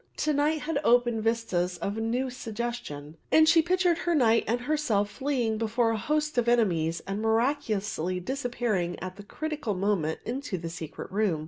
To night had opened vistas of new suggestion; and she pictured her knight and herself fleeing before a host of enemies and miraculously disappearing at the critical moment into the secret room.